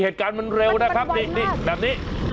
เหตุการณ์มันเร็วนะครับนี่แบบนี้